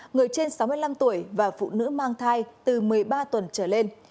người trên sáu mươi năm tuổi và phụ nữ mang thai từ một mươi ba tuần trở lên